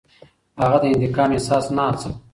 هغه د انتقام احساس نه هڅاوه.